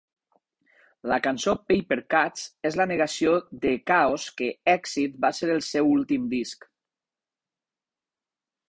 La cançó Papercutz és la negació de k-os que "Exit" va ser el seu últim disc.